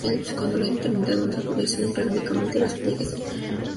Cuando ha terminado de sacudirse limpiar únicamente los pliegues del pabellón auricular.